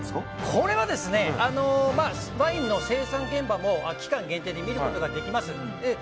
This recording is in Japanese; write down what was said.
これはワインの生産現場も期間限定で見ることができます。